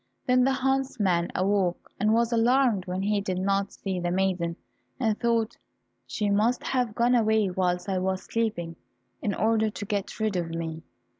Then the huntsman awoke, and was alarmed when he did not see the maiden, and thought, "She must have gone away whilst I was sleeping, in order to get rid of me."